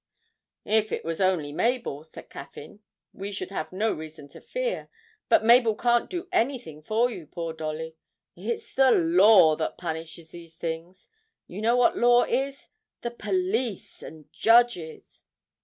'If it was only Mabel,' said Caffyn, 'we should have no reason to fear; but Mabel can't do anything for you, poor Dolly! It's the law that punishes these things. You know what law is? the police, and the judges.'